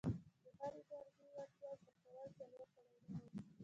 د هرې نرمې وړتیا زده کول څلور پړاونه لري.